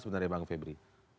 sebenarnya bang febri